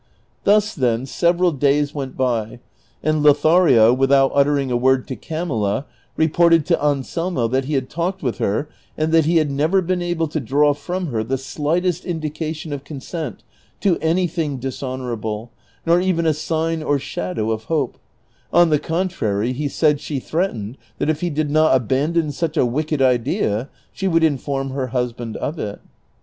Thus, then, several days went by, and Lothario, without uttering a word to Camilla, reported to Anselmo that he had talked with her and that he had never been able to draw from her tlie slightest indi cation of consent to anything dishonorable, nor even a sign or shadow of hope ; on the contrary, he said she threatened that if he did not abandon such a wicked idea she would inform her husband of it.